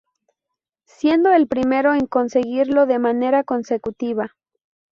Siendo el primero en conseguirlo de manera consecutiva.